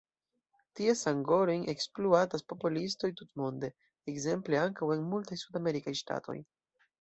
Ties angorojn ekspluatas popolistoj tutmonde, ekzemple ankaŭ en multaj sudamerikaj ŝtatoj.